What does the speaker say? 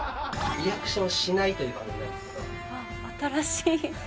リアクションしないという番新しい。